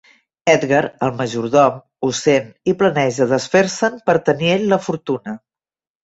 Edgar, el majordom, ho sent i planeja desfer-se'n per tenir ell la fortuna.